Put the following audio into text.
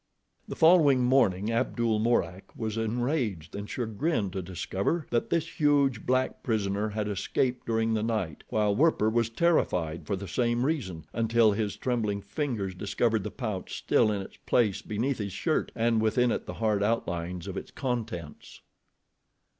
The following morning Abdul Mourak was enraged and chagrined to discover that his huge, black prisoner had escaped during the night, while Werper was terrified for the same reason, until his trembling fingers discovered the pouch still in its place beneath his shirt, and within it the hard outlines of its contents.